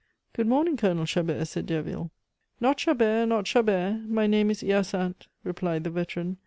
"Good morning, Colonel Chabert," said Derville. "Not Chabert! not Chabert! My name is Hyacinthe," replied the veteran.